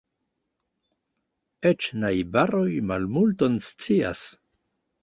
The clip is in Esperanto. Eĉ najbaroj malmulton scias.